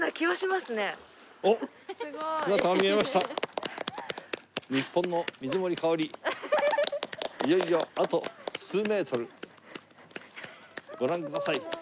はい。